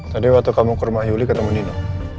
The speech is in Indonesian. tadi waktu kamu ke rumah yuli ketemu dino